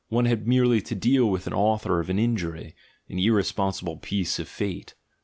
One had merely to deal with an author of an injury, an irresponsible piece of fate.